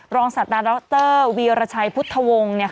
รองศาสตราดร็อคเตอร์วียรชัยพุทธวงศ์